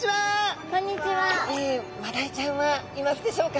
マダイちゃんはいますでしょうか？